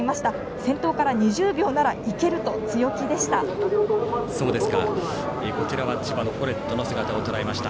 先頭から２０秒ならいけると強気でした。